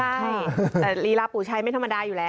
ใช่แต่ลีลาปู่ชัยไม่ธรรมดาอยู่แล้ว